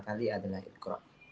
kali adalah iqra'